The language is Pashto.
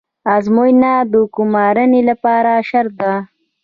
ازموینه د ګمارنې لپاره شرط ده